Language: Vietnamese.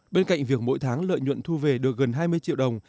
bên cạnh việc mỗi tháng lợi nhuận thu về được gần hai mươi triệu đồng